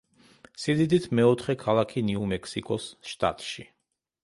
სიდიდით მეოთხე ქალაქი ნიუ-მექსიკოს შტატში.